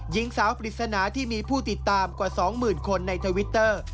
หญิงสาวปริศนาที่มีผู้ติดตามกว่า๒๐๐๐คนในทวิตเตอร์